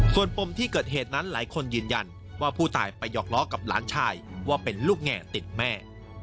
ส่วนปมที่เกิดเหตุนั้นหลายคนยืนยันว่าผู้ตายไปหอกล้อกับหลานชายว่าเป็นลูกแง่ติดแม่